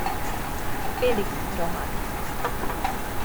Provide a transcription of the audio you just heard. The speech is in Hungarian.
Félix rohan.